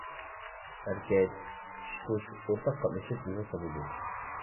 ئەركەك، چىشى قۇش ئورتاق قاتنىشىپ ئۇۋا سالىدۇ.